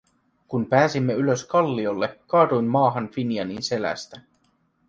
Kun pääsimme ylös kalliolle, kaaduin maahan Finianin selästä.